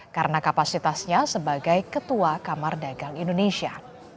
karena kapasitasnya sebagai ketua kamar dagang indonesia